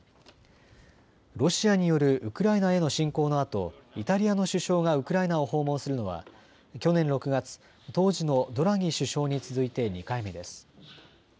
ロシアによるウクライナへの侵攻のあとイタリアの首相がウクライナを訪問するのは去年６月、当時のドラギ首相に続いて２回目です。